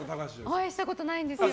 お会いしたことないんですよ。